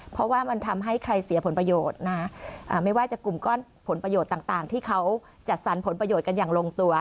เพราะว่ามันทำให้ใครเสียผลประโยชน์นะไม่ว่าจะกลุ่มก้อนผลประโยชน์ต่างที่เขาจัดสรรผลประโยชน์กันอย่างลงตัว